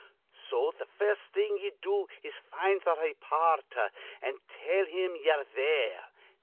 So th' first thing ye do is to find th' raypoorter, an' tell him ye're there.